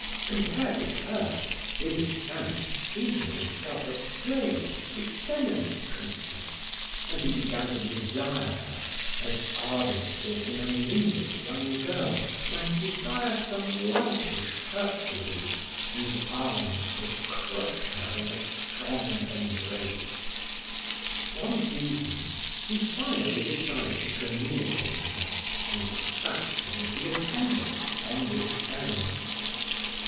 Compared with her, Des Esseintes seemed to himself a frail, effeminate creature, and he began to desire her as ardently as an anaemic young girl might desire some loutish Hercules whose arms could crush her in a strong embrace. One evening he finally decided to communicate with her and dispatched one of the attendants on this errand.